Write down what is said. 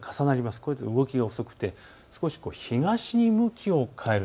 これは動きが遅くて東に向きを変える。